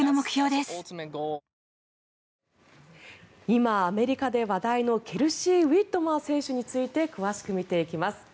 今、アメリカで話題のケルシー・ウィットモア選手について詳しく見ていきます。